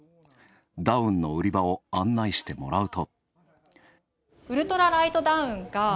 ダウンの売り場を案内してもらうと。